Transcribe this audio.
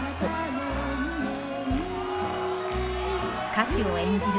歌手を演じる